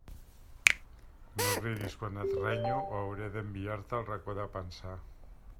No riguis quan et renyo o hauré d'enviar-te al racó de pensar.